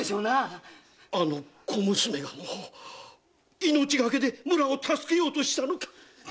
あの小娘がのう命懸けで村を助けようとしたのか！